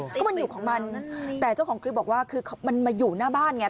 ก็มันอยู่ของมันแต่เจ้าของคลิปบอกว่าคือมันมาอยู่หน้าบ้านไง